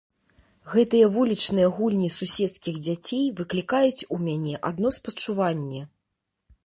Гэтыя вулічныя гульні суседскіх дзяцей выклікаюць у мяне адно спачуванне.